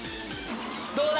どうだ！？